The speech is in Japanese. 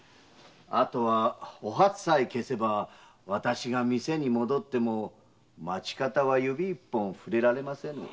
後はお初さえ消せばわたしが店に戻っても町方は指一本触れられませぬ。